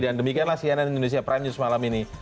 dan demikianlah cnn indonesia prime news malam ini